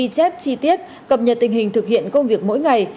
chi tiết cập nhật tình hình thực hiện công việc mỗi ngày